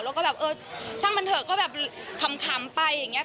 แล้วก็แบบเออช่างมันเถอะก็แบบขำไปอย่างนี้